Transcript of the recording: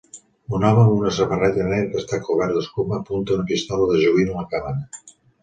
Un home amb una samarreta negra que està cobert d'escuma apunta una pistola de joguina a la càmera.